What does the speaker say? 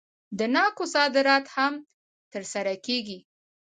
د ناکو صادرات هم ترسره کیږي.